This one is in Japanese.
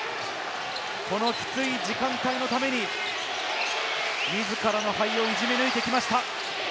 このきつい時間帯のために自らの肺をいじめ抜いてきました。